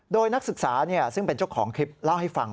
โดยนักศึกษาซึ่งเป็นเจ้าของคลิปเล่าให้ฟัง